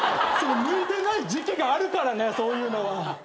向いてない時期があるからねそういうのは。